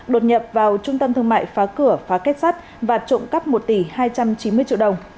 đột nhập vào trung tâm thương mại phá cửa phá kết sắt và trộm cắp một tỷ hai trăm chín mươi triệu đồng